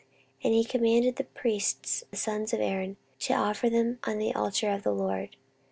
And he commanded the priests the sons of Aaron to offer them on the altar of the LORD.